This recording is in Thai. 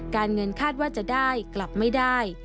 การเงินคาดว่าจะได้กลับไม่ได้